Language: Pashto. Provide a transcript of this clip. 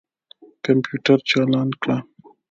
کمپیوټر چالان کړه.